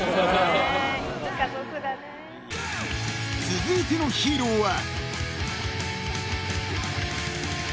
［続いてのヒーローは］